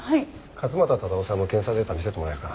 勝又忠夫さんの検査データ見せてもらえるかな？